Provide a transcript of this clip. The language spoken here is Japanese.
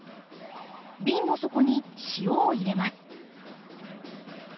瓶の底に塩を入れます。